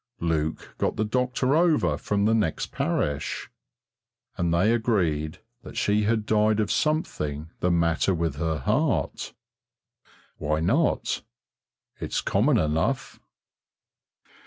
Luke got the doctor over from the next parish, and they agreed that she had died of something the matter with her heart. Why not? It's common enough.